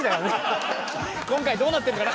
「今回どうなってるかな？